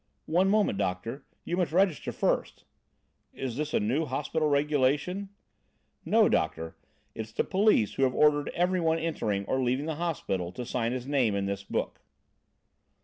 "One moment, doctor; you must register first." "Is this a new hospital regulation?" "No, doctor, it's the police who have ordered everyone entering or leaving the hospital to sign his name in this book."